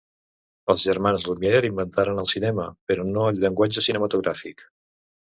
Els germans Lumière inventaren el cinema, però no el llenguatge cinematogràfic.